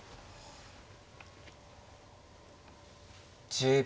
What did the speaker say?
１０秒。